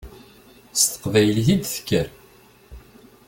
S teqbaylit i d-tekker.